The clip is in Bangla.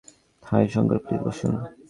হাই, শংকর, প্লিজ বসুন।